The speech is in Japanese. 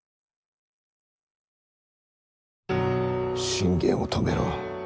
信玄を止めろ。